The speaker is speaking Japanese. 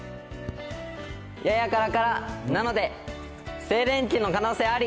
ややからから、なので静電気の可能性あり。